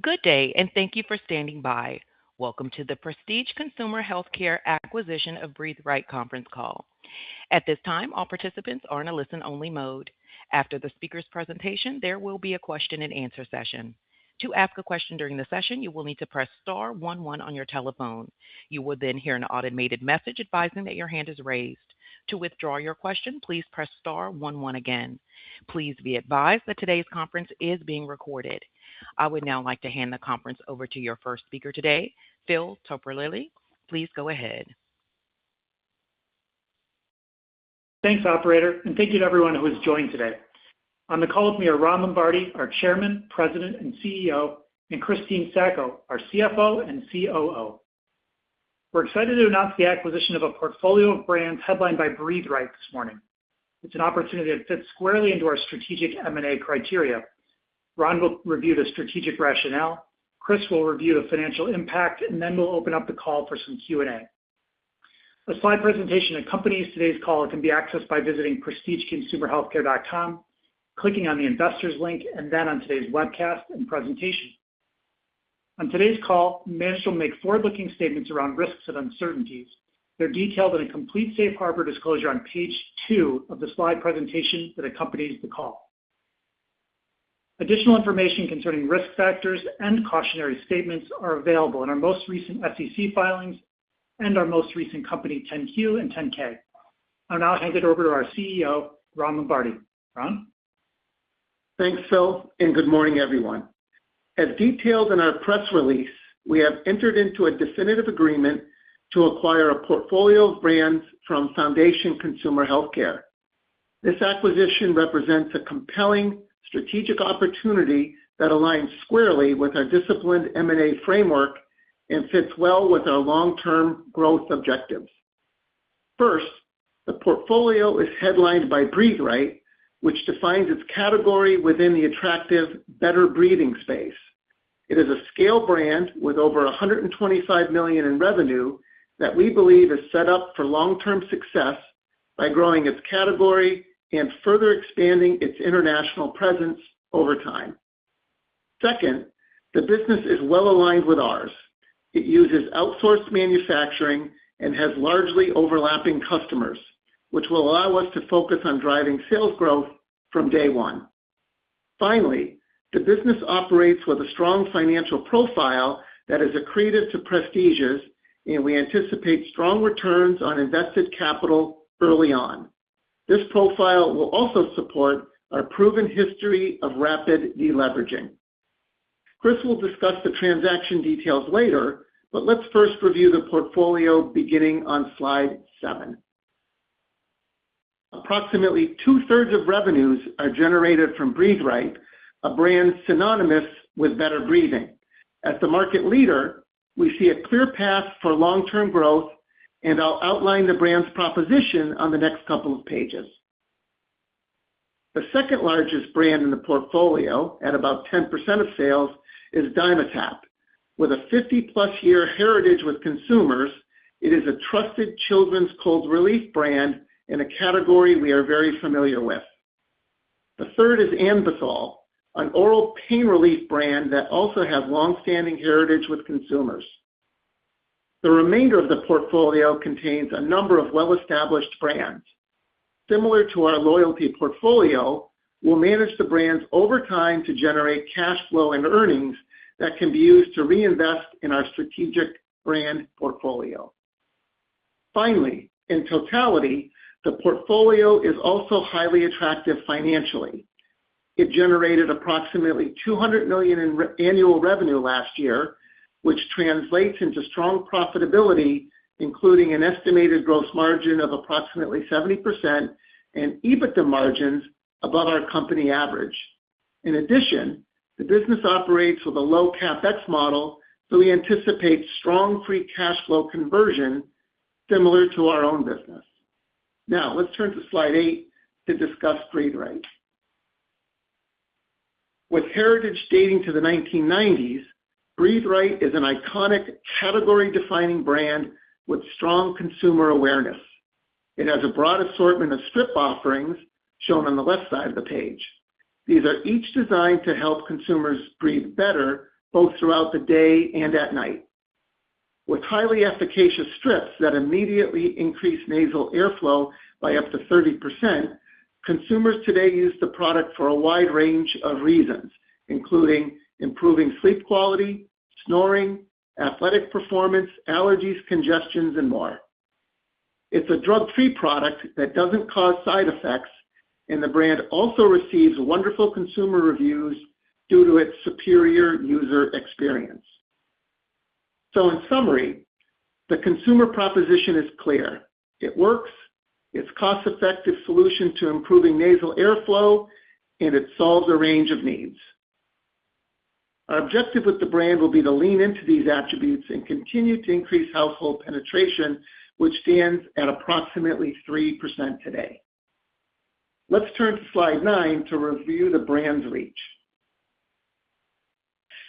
Good day, and thank you for standing by. Welcome to the Prestige Consumer Healthcare Acquisition of Breathe Right Conference Call. At this time, all participants are in a listen-only mode. After the speaker's presentation, there will be a question-and-answer session. To ask a question during the session, you will need to press star one one on your telephone. You will then hear an automated message advising that your hand is raised. To withdraw your question, please press star one one again. Please be advised that today's conference is being recorded. I would now like to hand the conference over to your first speaker today, Phil Terpolilli. Please go ahead. Thanks, operator, and thank you to everyone who has joined today. On the call with me are Ron Lombardi, our Chairman, President, and CEO, and Christine Sacco, our CFO and COO. We're excited to announce the acquisition of a portfolio of brands headlined by Breathe Right this morning. It's an opportunity that fits squarely into our strategic M&A criteria. Ron will review the strategic rationale, Chris will review the financial impact, and then we'll open up the call for some Q&A. A slide presentation accompanies today's call and can be accessed by visiting prestigeconsumerhealthcare.com, clicking on the investors link, and then on today's webcast and presentation. On today's call, management will make forward-looking statements around risks and uncertainties. They're detailed in a complete Safe Harbor disclosure on page two of the slide presentation that accompanies the call. Additional information concerning risk factors and cautionary statements are available in our most recent SEC filings and our most recent 10-Q and 10-K. I'll now hand it over to our CEO, Ron Lombardi. Ron? Thanks, Phil, and good morning, everyone. As detailed in our press release, we have entered into a definitive agreement to acquire a portfolio of brands from Foundation Consumer Healthcare. This acquisition represents a compelling strategic opportunity that aligns squarely with our disciplined M&A framework and fits well with our long-term growth objectives. First, the portfolio is headlined by Breathe Right, which defines its category within the attractive better breathing space. It is a scale brand with over $125 million in revenue that we believe is set up for long-term success by growing its category and further expanding its international presence over time. Second, the business is well-aligned with ours. It uses outsourced manufacturing and has largely overlapping customers, which will allow us to focus on driving sales growth from day one. Finally, the business operates with a strong financial profile that is accretive to Prestige's, and we anticipate strong returns on invested capital early on. This profile will also support our proven history of rapid deleveraging. Chris will discuss the transaction details later, but let's first review the portfolio beginning on slide seven. Approximately two-thirds of revenues are generated from Breathe Right, a brand synonymous with better breathing. As the market leader, we see a clear path for long-term growth, and I'll outline the brand's proposition on the next couple of pages. The second-largest brand in the portfolio at about 10% of sales is Dimetapp. With a 50-plus year heritage with consumers, it is a trusted children's cold relief brand in a category we are very familiar with. The third is Anbesol, an oral pain relief brand that also has longstanding heritage with consumers. The remainder of the portfolio contains a number of well-established brands. Similar to our loyalty portfolio, we'll manage the brands over time to generate cash flow and earnings that can be used to reinvest in our strategic brand portfolio. Finally, in totality, the portfolio is also highly attractive financially. It generated approximately $200 million in annual revenue last year, which translates into strong profitability, including an estimated gross margin of approximately 70% and EBITDA margins above our company average. In addition, the business operates with a low CapEx model, so we anticipate strong free cash flow conversion similar to our own business. Now, let's turn to slide eight to discuss Breathe Right. With heritage dating to the 1990s, Breathe Right is an iconic category-defining brand with strong consumer awareness. It has a broad assortment of strip offerings shown on the left side of the page. These are each designed to help consumers breathe better both throughout the day and at night. With highly efficacious strips that immediately increase nasal airflow by up to 30%, consumers today use the product for a wide range of reasons, including improving sleep quality, snoring, athletic performance, allergies, congestions, and more. It's a drug-free product that doesn't cause side effects, and the brand also receives wonderful consumer reviews due to its superior user experience. In summary, the consumer proposition is clear. It works, it's cost-effective solution to improving nasal airflow, and it solves a range of needs. Our objective with the brand will be to lean into these attributes and continue to increase household penetration, which stands at approximately 3% today. Let's turn to slide nine to review the brand's reach.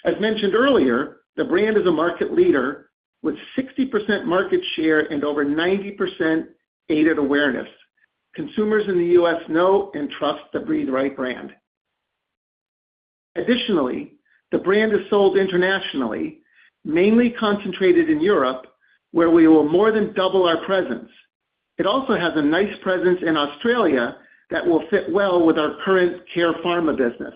As mentioned earlier, the brand is a market leader with 60% market share and over 90% aided awareness. Consumers in the U.S. know and trust the Breathe Right brand. Additionally, the brand is sold internationally, mainly concentrated in Europe, where we will more than double our presence. It also has a nice presence in Australia that will fit well with our current Care Pharma business.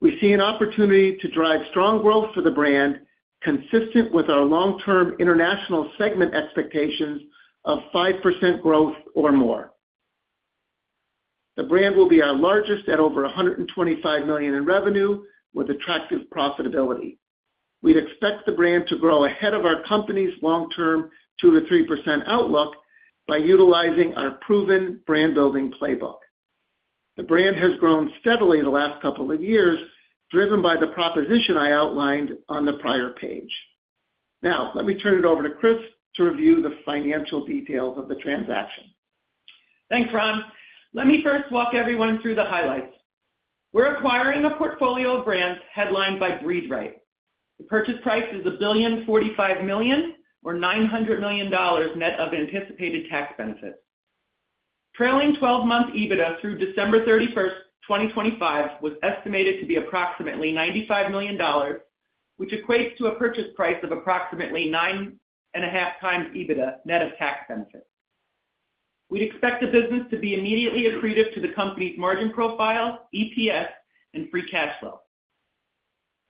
We see an opportunity to drive strong growth for the brand, consistent with our long-term international segment expectations of 5% growth or more. The brand will be our largest at over $125 million in revenue with attractive profitability. We'd expect the brand to grow ahead of our company's long-term 2%-3% outlook by utilizing our proven brand-building playbook. The brand has grown steadily the last couple of years, driven by the proposition I outlined on the prior page. Now, let me turn it over to Chris to review the financial details of the transaction. Thanks, Ron. Let me first walk everyone through the highlights. We're acquiring a portfolio of brands headlined by Breathe Right. The purchase price is $1.045 billion or $900 million net of anticipated tax benefits. Trailing twelve-month EBITDA through December 31, 2025 was estimated to be approximately $95 million, which equates to a purchase price of approximately 9.5x EBITDA net of tax benefits. We'd expect the business to be immediately accretive to the company's margin profile, EPS, and free cash flow.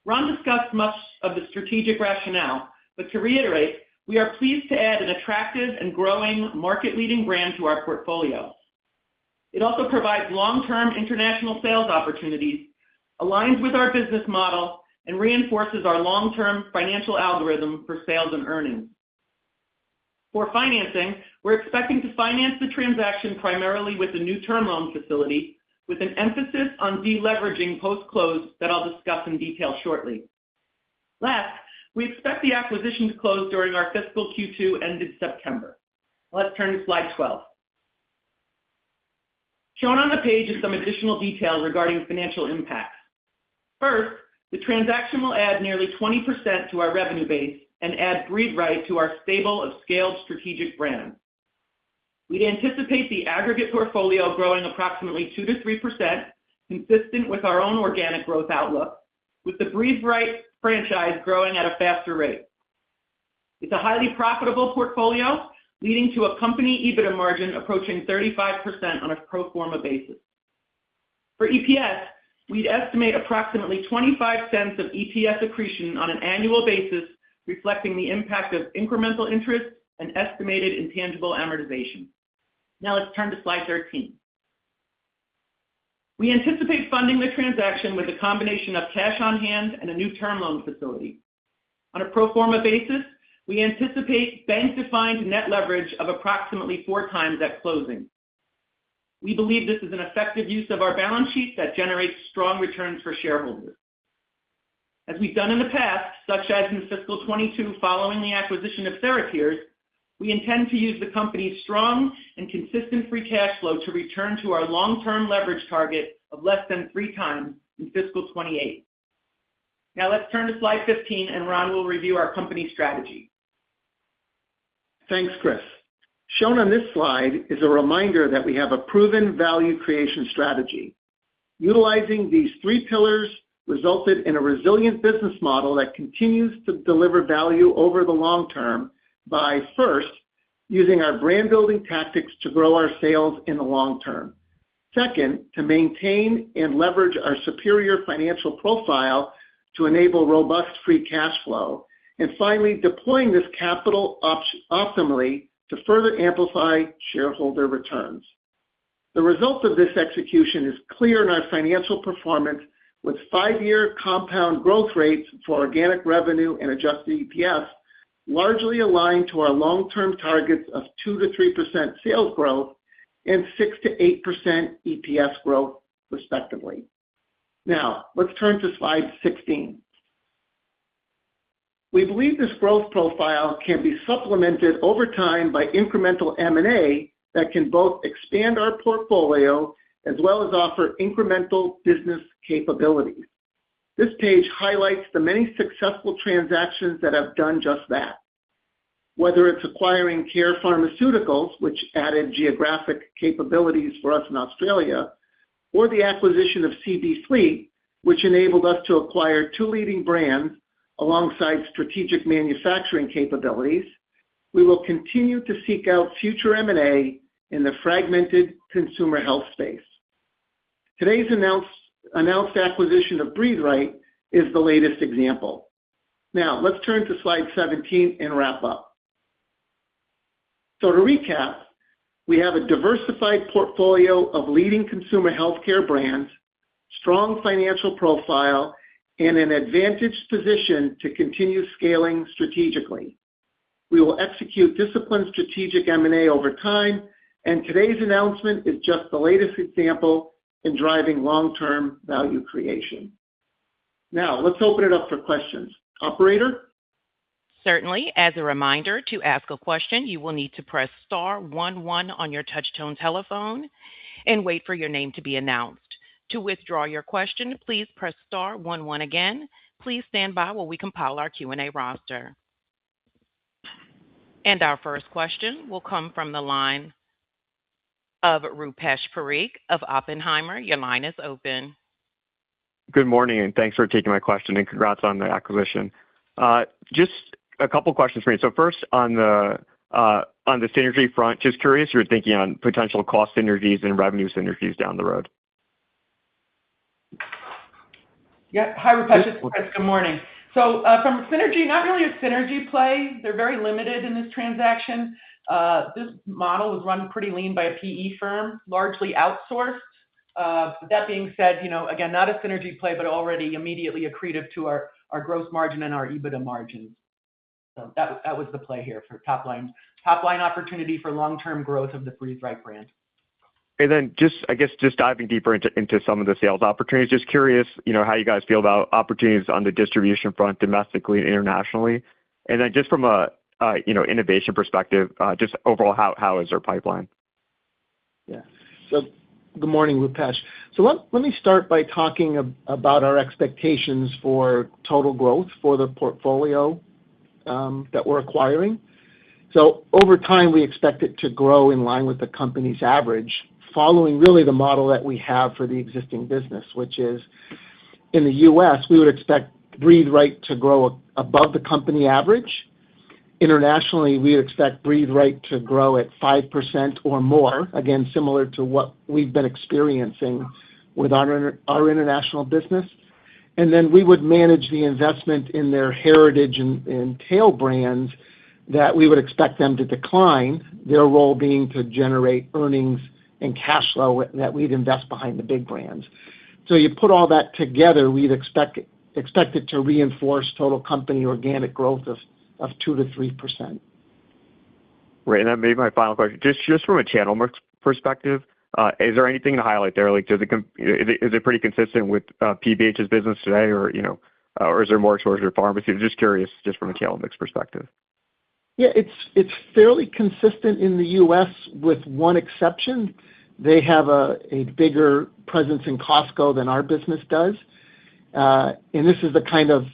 Ron discussed much of the strategic rationale, but to reiterate, we are pleased to add an attractive and growing market-leading brand to our portfolio. It also provides long-term international sales opportunities, aligns with our business model, and reinforces our long-term financial algorithm for sales and earnings. For financing, we're expecting to finance the transaction primarily with the new term loan facility, with an emphasis on deleveraging post-close that I'll discuss in detail shortly. Last, we expect the acquisition to close during our fiscal Q2 end in September. Let's turn to slide 12. Shown on the page is some additional detail regarding financial impact. First, the transaction will add nearly 20% to our revenue base and add Breathe Right to our stable of scaled strategic brands. We'd anticipate the aggregate portfolio growing approximately 2%-3%, consistent with our own organic growth outlook, with the Breathe Right franchise growing at a faster rate. It's a highly profitable portfolio, leading to a company EBITDA margin approaching 35% on a pro forma basis. For EPS, we'd estimate approximately $0.25 of EPS accretion on an annual basis, reflecting the impact of incremental interest and estimated intangible amortization. Now let's turn to slide 13. We anticipate funding the transaction with a combination of cash on hand and a new term loan facility. On a pro forma basis, we anticipate bank-defined net leverage of approximately 4x at closing. We believe this is an effective use of our balance sheet that generates strong returns for shareholders. As we've done in the past, such as in fiscal 2022 following the acquisition of TheraTears, we intend to use the company's strong and consistent free cash flow to return to our long-term leverage target of less than 3x in fiscal 2028. Now let's turn to slide 15 and Ron will review our company strategy. Thanks, Chris. Shown on this slide is a reminder that we have a proven value creation strategy. Utilizing these three pillars resulted in a resilient business model that continues to deliver value over the long term by, first, using our brand-building tactics to grow our sales in the long term. Second, to maintain and leverage our superior financial profile to enable robust free cash flow. And finally, deploying this capital optimally to further amplify shareholder returns. The result of this execution is clear in our financial performance with five-year compound growth rates for organic revenue and adjusted EPS largely aligned to our long-term targets of 2%-3% sales growth and 6%-8% EPS growth respectively. Now, let's turn to slide 16. We believe this growth profile can be supplemented over time by incremental M&A that can both expand our portfolio as well as offer incremental business capabilities. This page highlights the many successful transactions that have done just that. Whether it's acquiring Care Pharmaceuticals, which added geographic capabilities for us in Australia, or the acquisition of C.B. Fleet, which enabled us to acquire two leading brands alongside strategic manufacturing capabilities, we will continue to seek out future M&A in the fragmented consumer health space. Today's announced acquisition of Breathe Right is the latest example. Now, let's turn to slide 17 and wrap up. To recap, we have a diversified portfolio of leading consumer healthcare brands, strong financial profile, and an advantaged position to continue scaling strategically. We will execute disciplined strategic M&A over time, and today's announcement is just the latest example in driving long-term value creation. Now, let's open it up for questions. Operator? Certainly. As a reminder, to ask a question, you will need to press star one one on your touch-tone telephone and wait for your name to be announced. To withdraw your question, please press star one one again. Please stand by while we compile our Q&A roster. Our first question will come from the line of Rupesh Parikh of Oppenheimer. Your line is open. Good morning, and thanks for taking my question, and congrats on the acquisition. Just a couple questions for you. First, on the, on the synergy front, just curious, you were thinking on potential cost synergies and revenue synergies down the road. Yeah. Hi, Rupesh. It's Chris, good morning. From synergy, not really a synergy play. They're very limited in this transaction. This model was run pretty lean by a PE firm, largely outsourced. That being said, you know, again, not a synergy play, but already immediately accretive to our gross margin and our EBITDA margins. That was the play here for top line. Top line opportunity for long-term growth of the Breathe Right brand. Then just, I guess, just diving deeper into some of the sales opportunities, just curious, you know, how you guys feel about opportunities on the distribution front, domestically and internationally. Then just from a you know, innovation perspective, just overall how is their pipeline? Yeah. Good morning, Rupesh. Let me start by talking about our expectations for total growth for the portfolio that we're acquiring. Over time, we expect it to grow in line with the company's average, following really the model that we have for the existing business, which is in the U.S., we would expect Breathe Right to grow above the company average. Internationally, we expect Breathe Right to grow at 5% or more, again, similar to what we've been experiencing with our international business. We would manage the investment in their heritage and tail brands that we would expect them to decline, their role being to generate earnings and cash flow that we'd invest behind the big brands. You put all that together, we'd expect it to reinforce total company organic growth of 2%-3%. Right. Maybe my final question. Just from a channel mix perspective, is there anything to highlight there? Like, is it pretty consistent with PBH's business today or, you know, or is there more towards your pharmacy? Just curious, just from a channel mix perspective. Yeah. It's fairly consistent in the U.S. with one exception. They have a bigger presence in Costco than our business does. This is the kind of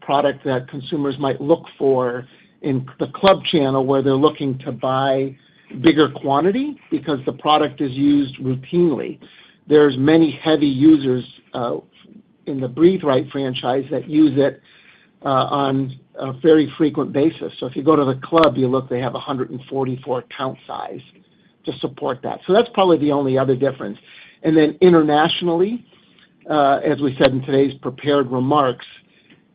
product that consumers might look for in the club channel where they're looking to buy bigger quantity because the product is used routinely. There are many heavy users in the Breathe Right franchise that use it on a very frequent basis. If you go to the club, you look, they have a 144-count size to support that. That's probably the only other difference. Internationally, as we said in today's prepared remarks,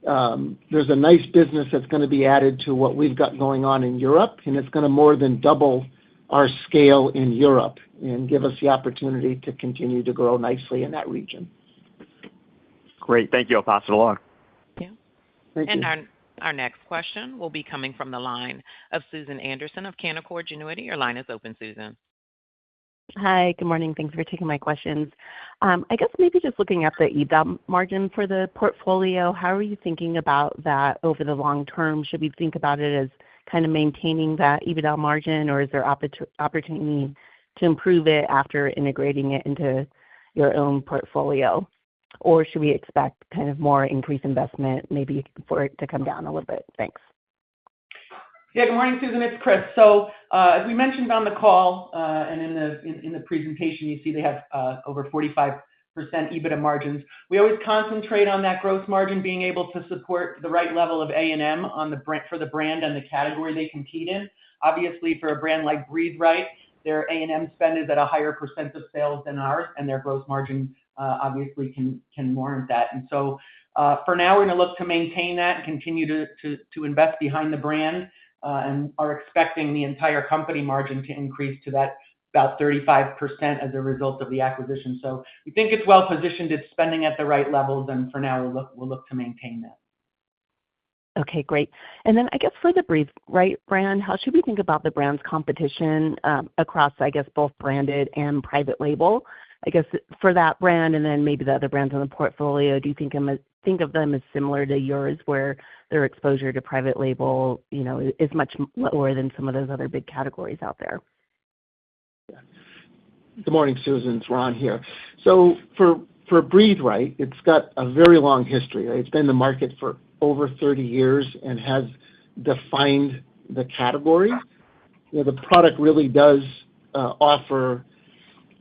there's a nice business that's gonna be added to what we've got going on in Europe, and it's gonna more than double our scale in Europe and give us the opportunity to continue to grow nicely in that region. Great. Thank you. I'll pass it along. Yeah. Thank you. Our next question will be coming from the line of Susan Anderson of Canaccord Genuity. Your line is open, Susan. Hi. Good morning. Thanks for taking my questions. I guess maybe just looking at the EBITDA margin for the portfolio, how are you thinking about that over the long term? Should we think about it as kind of maintaining that EBITDA margin, or is there opportunity to improve it after integrating it into your own portfolio? Or should we expect kind of more increased investment maybe for it to come down a little bit? Thanks. Yeah. Good morning, Susan, it's Chris. As we mentioned on the call and in the presentation, you see they have over 45% EBITDA margins. We always concentrate on that gross margin being able to support the right level of A&M on the brand, for the brand and the category they compete in. Obviously, for a brand like Breathe Right, their A&M spend is at a higher percent of sales than ours, and their gross margin obviously can warrant that. For now, we're gonna look to maintain that and continue to invest behind the brand, and are expecting the entire company margin to increase to about 35% as a result of the acquisition. We think it's well positioned, it's spending at the right levels, and for now, we'll look to maintain that. Okay, great. I guess for the Breathe Right brand, how should we think about the brand's competition, across, I guess, both branded and private label? I guess for that brand and then maybe the other brands on the portfolio, do you think of them as similar to yours where their exposure to private label, you know, is much lower than some of those other big categories out there? Yeah. Good morning, Susan. It's Ron here. For Breathe Right, it's got a very long history. It's been in the market for over 30 years and has defined the category. You know, the product really does offer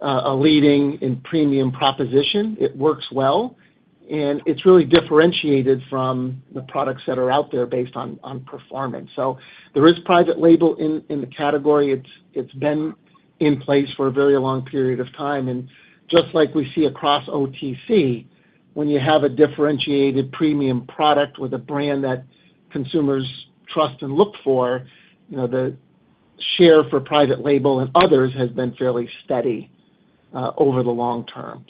a leading and premium proposition. It works well, and it's really differentiated from the products that are out there based on performance. There is private label in the category. It's been in place for a very long period of time. Just like we see across OTC, when you have a differentiated premium product with a brand that consumers trust and look for, you know, the share for private label and others has been fairly steady over the long term.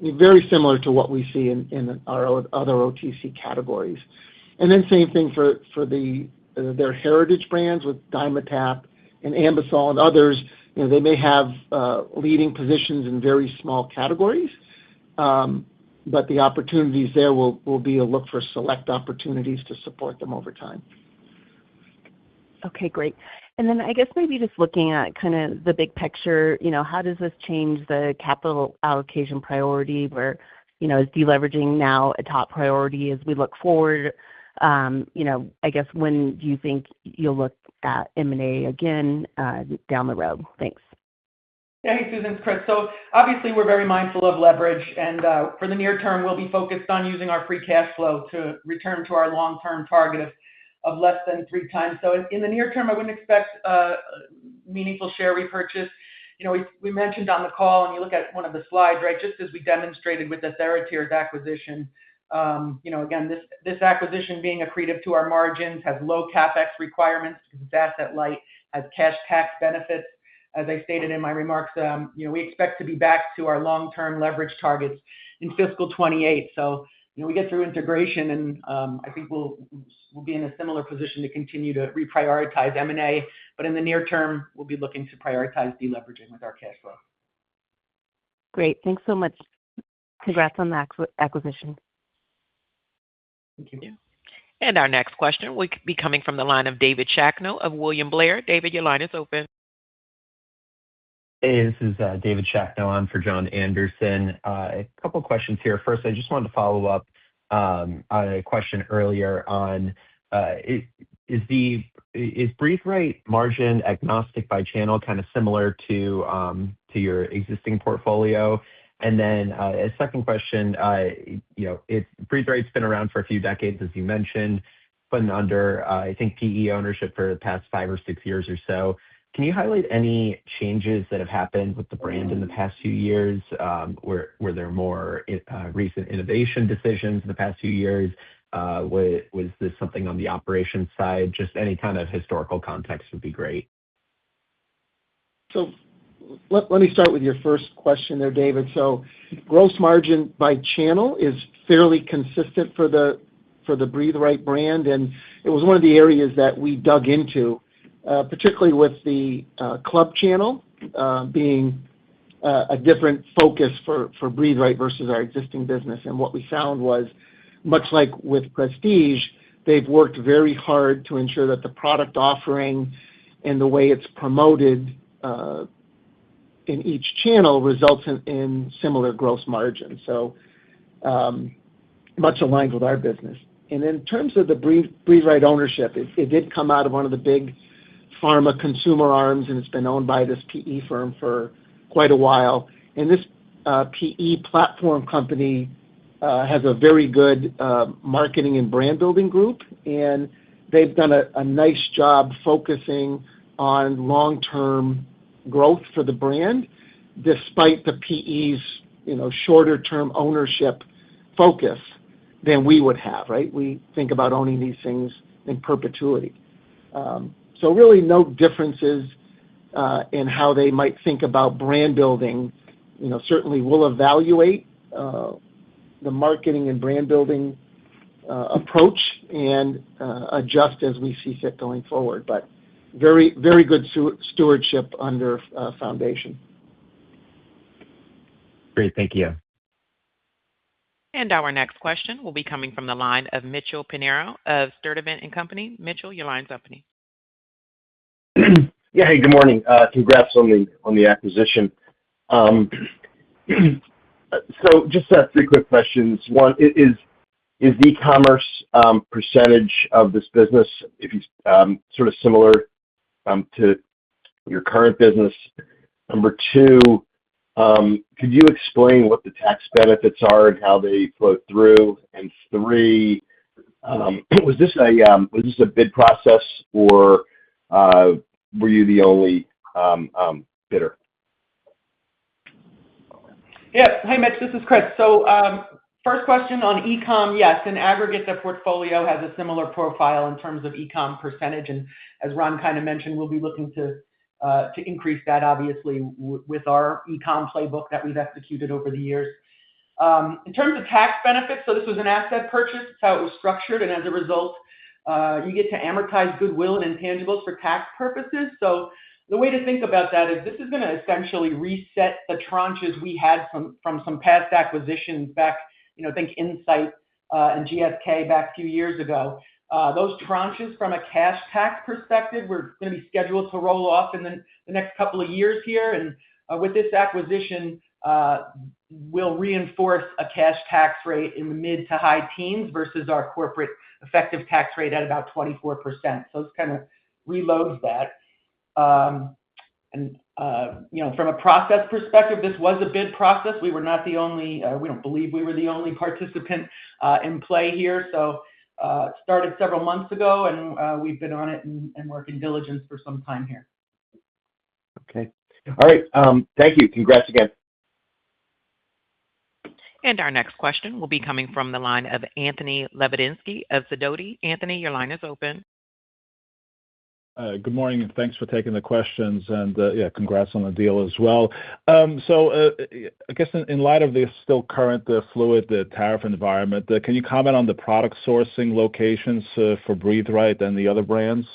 Very similar to what we see in our other OTC categories. Same thing for their heritage brands with Dimetapp and Anbesol and others. You know, they may have leading positions in very small categories, but the opportunities there will be to look for select opportunities to support them over time. Okay, great. I guess maybe just looking at kinda the big picture, you know, how does this change the capital allocation priority? Where, you know, is deleveraging now a top priority as we look forward? You know, I guess when do you think you'll look at M&A again, down the road? Thanks. Yeah. Hey, Susan, it's Chris. Obviously, we're very mindful of leverage, and for the near term, we'll be focused on using our free cash flow to return to our long-term target of less than 3x. In the near term, I wouldn't expect meaningful share repurchase. You know, we mentioned on the call, and you look at one of the slides, right, just as we demonstrated with the TheraTears acquisition, you know, again, this acquisition being accretive to our margins has low CapEx requirements 'cause it's asset light, has cash tax benefits. As I stated in my remarks, you know, we expect to be back to our long-term leverage targets in fiscal 2028. You know, we get through integration, and I think we'll be in a similar position to continue to reprioritize M&A. In the near term, we'll be looking to prioritize deleveraging with our cash flow. Great. Thanks so much. Congrats on the acquisition. Thank you. Our next question will be coming from the line of David Shakno of William Blair. David, your line is open. Hey, this is David Shakno. I'm for Jon Andersen. A couple questions here. First, I just wanted to follow up on a question earlier on. Is Breathe Right margin agnostic by channel kind of similar to your existing portfolio? A second question. You know, if Breathe Right's been around for a few decades, as you mentioned, been under, I think, PE ownership for the past five or six years or so, can you highlight any changes that have happened with the brand in the past few years? Were there more recent innovation decisions in the past few years? Was this something on the operations side? Just any kind of historical context would be great. Let me start with your first question there, David. Gross margin by channel is fairly consistent for the Breathe Right brand, and it was one of the areas that we dug into, particularly with the club channel being a different focus for Breathe Right versus our existing business. What we found was, much like with Prestige, they've worked very hard to ensure that the product offering and the way it's promoted in each channel results in similar gross margin. Much aligned with our business. In terms of the Breathe Right ownership, it did come out of one of the big pharma consumer arms, and it's been owned by this PE firm for quite a while. This PE platform company has a very good marketing and brand building group, and they've done a nice job focusing on long-term growth for the brand, despite the PE's, you know, shorter term ownership focus than we would have, right? We think about owning these things in perpetuity. Really no differences in how they might think about brand building. You know, certainly we'll evaluate the marketing and brand building approach and adjust as we see fit going forward, but very good stewardship under Foundation. Great. Thank you. Our next question will be coming from the line of Mitchell Pinheiro of Stifel Nicolaus & Co. Mitchell, your line's open. Yeah. Hey, good morning. Congrats on the acquisition. Just three quick questions. One is e-commerce percentage of this business, if you sort of similar to your current business? Number two, could you explain what the tax benefits are and how they flow through? Three, was this a bid process or were you the only bidder? Yeah. Hey, Mitch. This is Chris. First question on e-com, yes. In aggregate, the portfolio has a similar profile in terms of e-com percentage. As Ron kind of mentioned, we'll be looking to increase that obviously with our e-com playbook that we've executed over the years. In terms of tax benefits, this was an asset purchase. It's how it was structured, and as a result, you get to amortize goodwill and intangibles for tax purposes. The way to think about that is this is gonna essentially reset the tranches we had from some past acquisitions back, you know, think Insight and GSK back a few years ago. Those tranches from a cash tax perspective were gonna be scheduled to roll off in the next couple of years here. With this acquisition, we'll reinforce a cash tax rate in the mid- to high teens versus our corporate effective tax rate at about 24%. This kind of reloads that. You know, from a process perspective, this was a bid process. We were not the only, we don't believe we were the only participant in play here. It started several months ago, and we've been on it and working diligence for some time here. Okay. All right. Thank you. Congrats again. Our next question will be coming from the line of Anthony Lebiedzinski of Sidoti. Anthony, your line is open. Good morning, thanks for taking the questions. Yeah, congrats on the deal as well. I guess in light of the still current fluid tariff environment, can you comment on the product sourcing locations for Breathe Right and the other brands?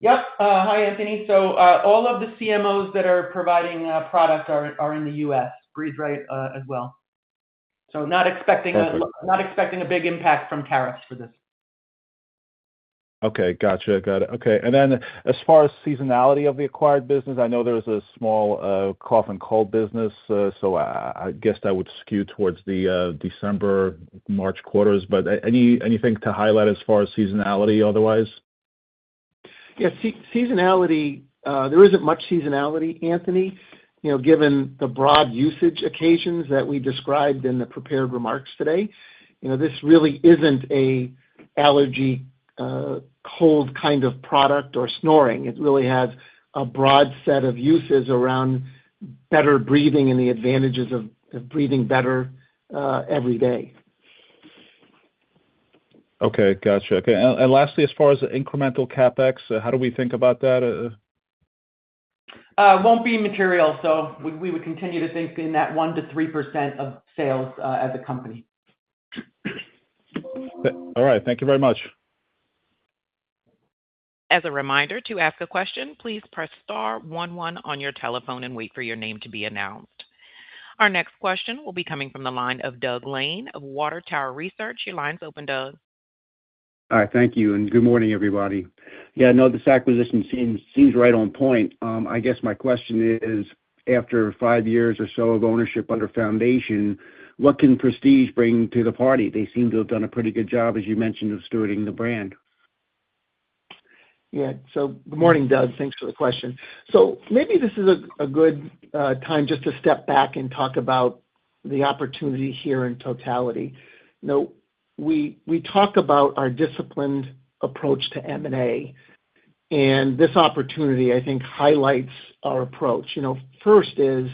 Yep. Hi, Anthony. All of the CMOs that are providing product are in the U.S., Breathe Right, as well. Not expecting a- Thank you. Not expecting a big impact from tariffs for this. Okay. Gotcha. Got it. Okay. As far as seasonality of the acquired business, I know there's a small cough and cold business, so I guess that would skew towards the December, March quarters. Anything to highlight as far as seasonality otherwise? Yes, seasonality, there isn't much seasonality, Anthony, you know, given the broad usage occasions that we described in the prepared remarks today. You know, this really isn't a allergy, cold kind of product or snoring. It really has a broad set of uses around better breathing and the advantages of breathing better, every day. Okay. Gotcha. Okay. Lastly, as far as the incremental CapEx, how do we think about that? It won't be material, so we would continue to think in that 1%-3% of sales, as a company. All right. Thank you very much. As a reminder, to ask a question, please press star one one on your telephone and wait for your name to be announced. Our next question will be coming from the line of Doug Lane of Water Tower Research. Your line's open, Doug. All right. Thank you, and good morning, everybody. Yeah, no, this acquisition seems right on point. I guess my question is, after five years or so of ownership under Foundation, what can Prestige bring to the party? They seem to have done a pretty good job, as you mentioned, of stewarding the brand. Yeah. Good morning, Doug. Thanks for the question. Maybe this is a good time just to step back and talk about the opportunity here in totality. You know, we talk about our disciplined approach to M&A, and this opportunity I think highlights our approach. You know, first is,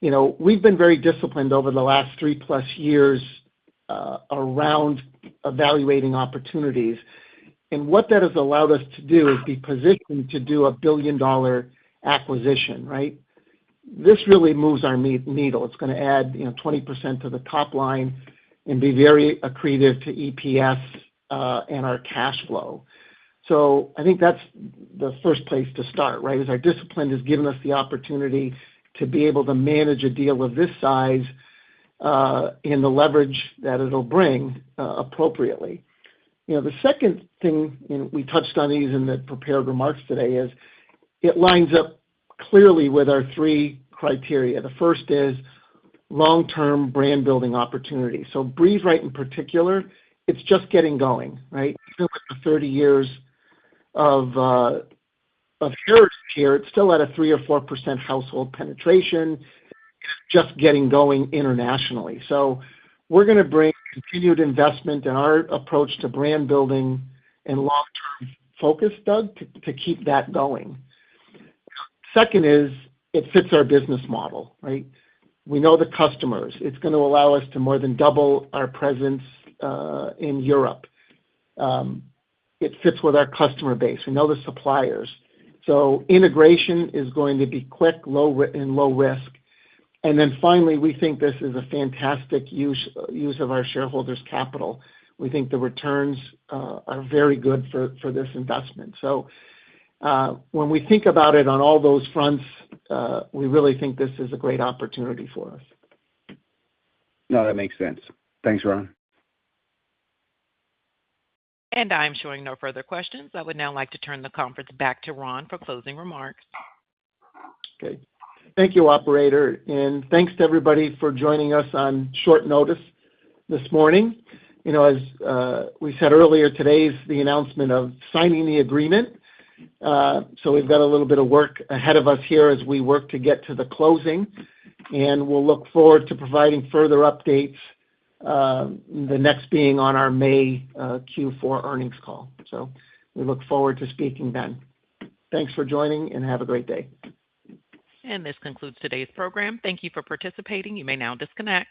you know, we've been very disciplined over the last three-plus years around evaluating opportunities, and what that has allowed us to do is be positioned to do a billion-dollar acquisition, right? This really moves our needle. It's gonna add, you know, 20% to the top line and be very accretive to EPS and our cash flow. I think that's the first place to start, right? Is our discipline has given us the opportunity to be able to manage a deal of this size and the leverage that it'll bring appropriately. You know, the second thing, you know, we touched on these in the prepared remarks today, is it lines up clearly with our three criteria. The first is long-term brand building opportunity. Breathe Right in particular, it's just getting going, right? Still after 30 years of heritage here, it's still at a 3%-4% household penetration, just getting going internationally. We're gonna bring continued investment in our approach to brand building and long-term focus, Doug, to keep that going. Second is it fits our business model, right? We know the customers. It's gonna allow us to more than double our presence in Europe. It fits with our customer base. We know the suppliers. Integration is going to be quick, low risk. Then finally, we think this is a fantastic use of our shareholders' capital. We think the returns are very good for this investment. When we think about it on all those fronts, we really think this is a great opportunity for us. No, that makes sense. Thanks, Ron. I'm showing no further questions. I would now like to turn the conference back to Ron for closing remarks. Okay. Thank you, operator, and thanks to everybody for joining us on short notice this morning. You know, as we said earlier, today's the announcement of signing the agreement, so we've got a little bit of work ahead of us here as we work to get to the closing. We'll look forward to providing further updates, the next being on our May Q4 earnings call. We look forward to speaking then. Thanks for joining, and have a great day. This concludes today's program. Thank you for participating. You may now disconnect.